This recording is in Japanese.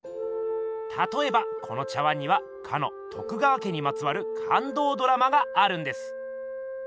たとえばこの茶碗にはかの徳川家にまつわる感動ドラマがあるんです。